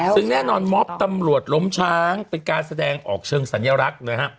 ซึ่งแน่นอนมอบตำรวจล้มช้างเป็นการแสดงออกเชิงสัญลักษณ์นะฮะ